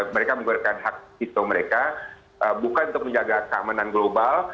mereka mengeluarkan hak vito mereka bukan untuk menjaga keamanan global